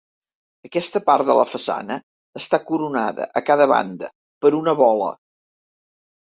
Aquesta part de la façana està coronada, a cada banda, per una bola.